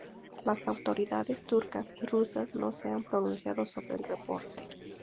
Las autoridades turcas y rusas no se han pronunciando sobre el reporte.